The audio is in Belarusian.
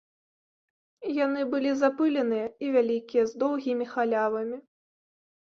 Яны былі запыленыя і вялікія, з доўгімі халявамі.